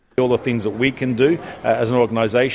semua hal yang bisa kita lakukan sebagai organisasi